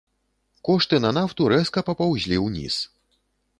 Кошты на нафту рэзка папаўзлі ўніз.